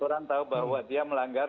orang tahu bahwa dia melanggar